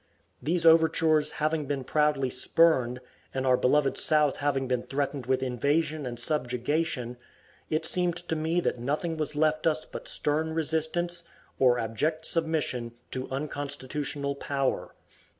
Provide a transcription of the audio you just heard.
These overtures having been proudly spurned, and our beloved South having been threatened with invasion and subjugation, it seemed to me that nothing was left us but stern resistance, or abject submission, to unconstitutional power.